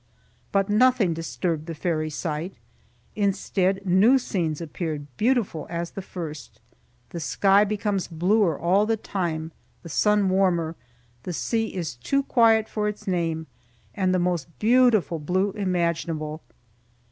But nothing disturbed the fairy sight. Instead, new scenes appeared, beautiful as the first. The sky becomes bluer all the time, the sun warmer; the sea is too quiet for its name, and the most beautiful blue imaginable.